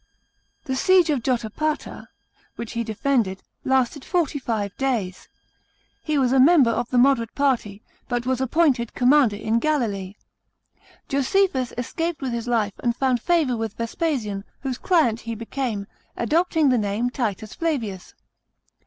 The siege of Jotapata, which he defended, lasted forty five days. Ho was a member of the moderate party, but was appointed commando" in Galilee. Josephus escaped with his life, and found favour with Vespasian, whose client he became, adopting the name Titus Flavius.